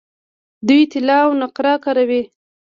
دوی طلا او نقره کاروي.